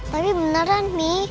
tapi beneran mi